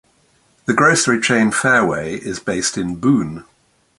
The grocery chain Fareway is based in Boone.